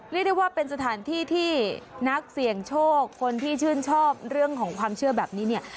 เรียกได้ว่าเป็นสถานที่ที่นักเสี่ยงโชคคนที่ชื่นชอบเรื่องของความเชื่อแบบนี้เนี่ย